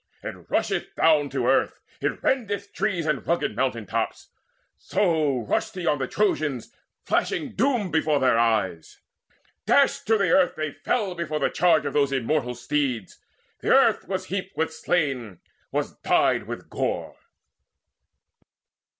It rusheth down to earth, It rendeth trees and rugged mountain crags; So rushed he on the Trojans, flashing doom Before their eyes; dashed to the earth they fell Before the charge of those immortal steeds: The earth was heaped with slain, was dyed with gore.